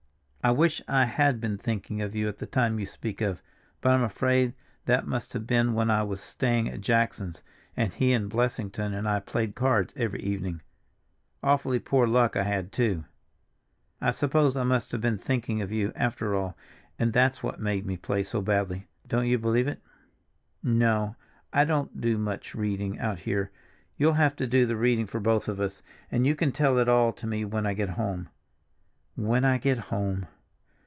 I wish I had been thinking of you at the time you speak of, but I'm afraid that must have been when I was staying at Jackson's, and he and Blessington and I played cards every evening; awfully poor luck I had, too. I suppose I must have been thinking of you, after all, and that's what made me play so badly, don't you believe it? No, I don't do much reading out here; you'll have to do the reading for both of us, and you can tell it all to me when I get home. _When I get home.